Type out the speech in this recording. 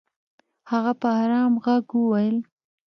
هغه په ارام ږغ وويل.